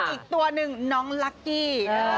อีกตัวหนึ่งน้องลักกี้